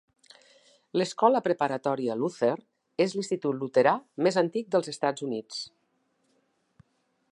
L'escola preparatòria Luther és l'institut luterà més antic dels Estats Units.